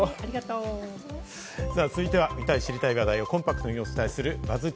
続いては、見たい、知りたい話題をコンパクトにお伝えするＢＵＺＺ